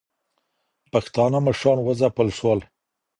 پښتانه مشران وځپل سول